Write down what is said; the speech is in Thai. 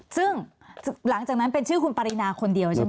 ซึ่งหลังจากนั้นเป็นชื่อคุณปรินาคนเดียวใช่ไหม